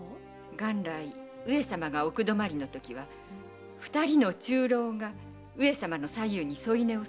元来上様が奥泊まりのときは二人の中臈が上様の左右に添い寝をするのです。